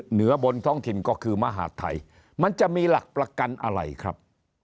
เหนือบนท้องถิ่นก็คือมหาดไทยมันจะมีหลักประกันอะไรครับ